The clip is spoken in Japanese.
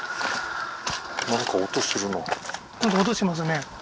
なんか音しますね